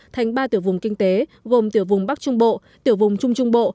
thành ba tiểu vùng kinh tế gồm tiểu vùng bắc trung bộ tiểu vùng trung trung bộ